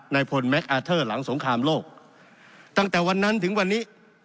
พลแมคอาร์เทอร์หลังสงครามโลกตั้งแต่วันนั้นถึงวันนี้